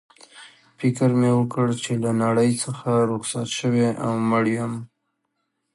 فکر مې وکړ چي له نړۍ څخه رخصت شوی او مړ یم.